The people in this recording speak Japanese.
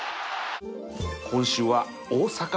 今週は大阪杯